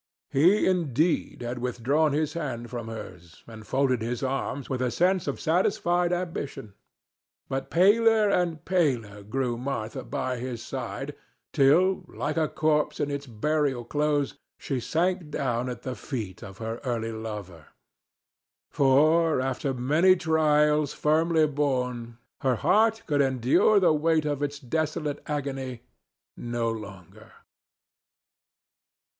He, indeed, had withdrawn his hand from hers and folded his arms with a sense of satisfied ambition. But paler and paler grew Martha by his side, till, like a corpse in its burial clothes, she sank down at the feet of her early lover; for, after many trials firmly borne, her heart could endure the weight of its desolate agony no longer.